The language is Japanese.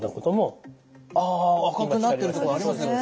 あ赤くなってる所ありますね。